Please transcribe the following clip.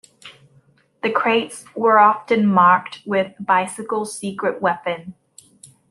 The crates were often marked with "Bicycle Secret Weapon".